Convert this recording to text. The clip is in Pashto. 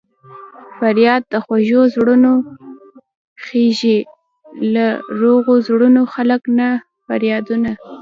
فریاد د خوږو زړونو خېژي له روغو زړونو خلک نه کا فریادونه